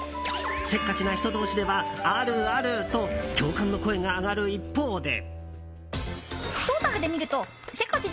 せっかちな人同士ではあるあると共感の声が上がる一方で。